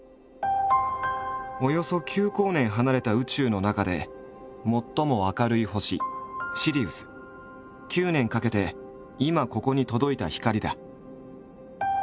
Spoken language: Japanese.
およそ９光年離れた宇宙の中で最も明るい星９年かけて今ここに届いた光だ。